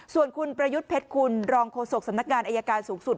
ส่วนคุณประยุทธ์เพชรคุณรองโฆษกสำนักงานอายการสูงสุด